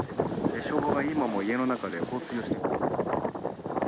消防が今も家の中で放水をしています。